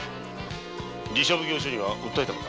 寺社奉行所には訴えたのか？